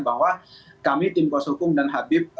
bahwa kami tim kuasa hukum dan habib